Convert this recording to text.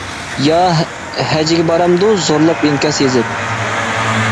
يا ھەجىگە بارامدۇ، زورلاپ ئىنكاس يېزىپ.